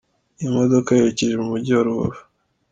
Iyo modoka yerekeje mu mujyi wa Rubavu.